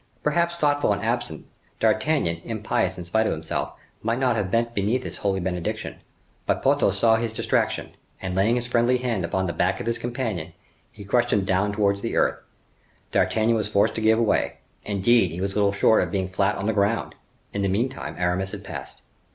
Perhaps thoughtful and absent, D'Artagnan, impious in spite of himself, might not have bent beneath this holy benediction; but Porthos saw his distraction, and laying his friendly hand upon the back of his companion, he crushed him down towards the earth. D'Artagnan was forced to give way; indeed, he was little short of being flat on the ground. In the meantime Aramis had passed.